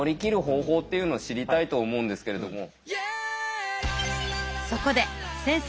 方法っていうのを知りたいと思うんですけれども。